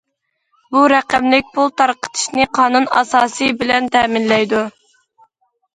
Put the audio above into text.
بۇ، رەقەملىك پۇل تارقىتىشنى قانۇن ئاساسى بىلەن تەمىنلەيدۇ.